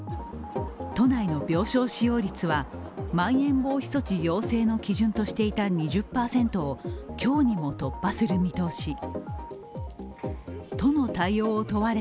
都内の病床使用率はまん延防止措置要請の基準としていた２０％を今日にも突破する見通し。